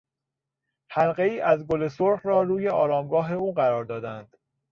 حلقهای از گل سرخ را روی آرامگاه او قرار دادند.